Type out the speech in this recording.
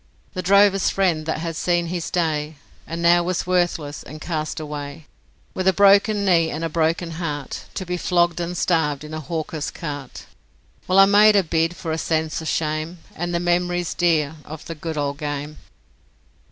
The drover's friend that had seen his day, And now was worthless, and cast away With a broken knee and a broken heart To be flogged and starved in a hawker's cart. Well, I made a bid for a sense of shame And the memories dear of the good old game.